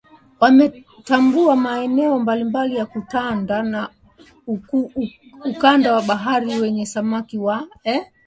Wametambua maeneo mbalimbali ya ukanda wa bahari yenye samaki wa kutosha